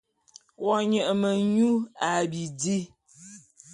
Wo nye menyu a bidi.